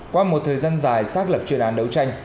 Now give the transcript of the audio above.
qua một thời gian dài xác lập chuyên án đấu tranh